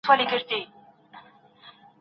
هر څوک چي تر خپل لاس لاندي کسان نازوي.